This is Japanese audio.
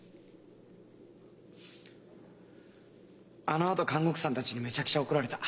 あのあと看護婦さんたちにメチャクチャ怒られた。